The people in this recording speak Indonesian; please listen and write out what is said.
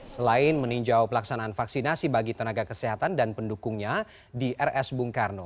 selain meninjau pelaksanaan vaksinasi bagi tenaga kesehatan dan pendukungnya di rs bung karno